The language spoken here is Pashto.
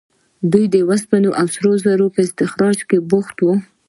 دوی د اوسپنې او سرو زرو په استخراج بوخت وو.